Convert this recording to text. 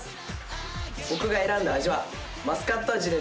僕が選んだ味はマスカット味です。